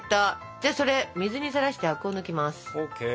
じゃあそれ水にさらしてアクを抜きます。ＯＫ。